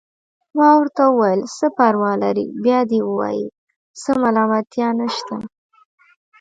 ما ورته وویل: څه پروا لري، بیا دې ووايي، څه ملامتیا نشته.